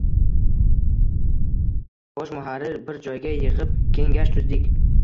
bosh muharrirlarini bir joyga yig‘ib kengash tuzdik